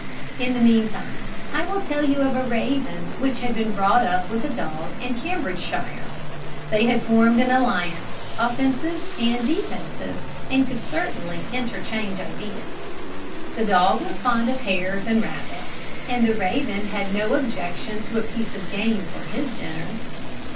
In the meantime, I will tell you of a raven which had been brought up with a dog in Cambridgeshire. They had formed an alliance, offensive and defensive, and could certainly interchange ideas. The dog was fond of hares and rabbits, and the raven had no objection to a piece of game for his dinner.